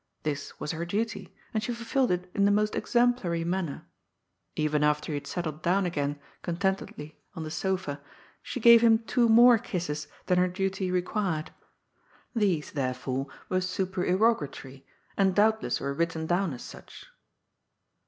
This was her duty, and she fulfilled it in the most exemplary manner. Even after he had settled down again contentedly on the sofa, she gave him two more kisses than her duty required. These, therefore, were supererogatory, and doubtless were written down as such.